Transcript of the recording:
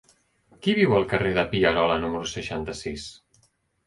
Qui viu al carrer de Pierola número seixanta-sis?